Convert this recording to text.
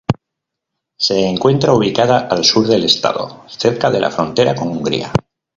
Se encuentra ubicada al sur del estado, cerca de la frontera con Hungría.